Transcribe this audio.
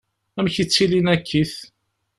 Amek i ttilin akkit?